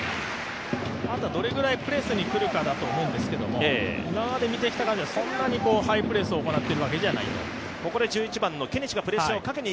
あとはどれぐらいプレスに来るかだと思うんですけど、今まで見てきた感じ、そんなにハイプレスを行っているわけではない。